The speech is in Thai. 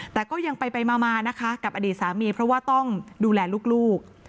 แต่ก็ยังไปมานะคะกับอดีตสามีเพราะว่าต้องดูแลลูก